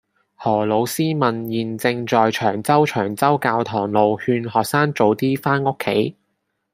何老師問現正在長洲長洲教堂路勸學生早啲返屋企